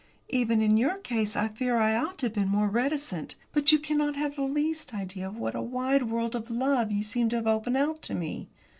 Even in your case I fear I ought to have been more reticent. But you cannot have the least idea of what a wide world of love you seem to have opened out to me.